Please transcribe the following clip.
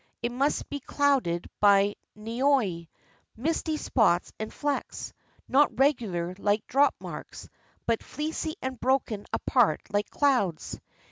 It must be clouded by Jtioi, misty spots and flecks, not regular like drop marks, but fleecy and broken apart like clouds.